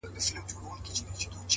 پور پر غاړه، مېږ مرداره.